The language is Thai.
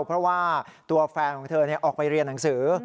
เพราะว่าตัวแฟนของเธอออกไปเรียนหนังสือ